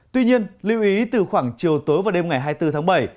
tuy nhiên lưu ý từ khoảng chiều tối và đêm ngày hai mươi bốn tháng bảy